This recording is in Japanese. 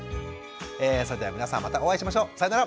えそれでは皆さんまたお会いしましょう。さようなら。